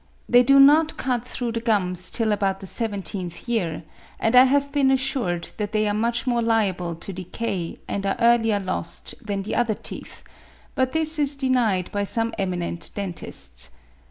They do not cut through the gums till about the seventeenth year, and I have been assured that they are much more liable to decay, and are earlier lost than the other teeth; but this is denied by some eminent dentists.